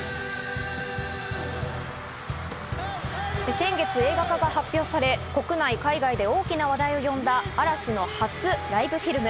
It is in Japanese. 先月、映画化が発表され国内、海外で大きな話題を呼んだ嵐の初ライブフィルム。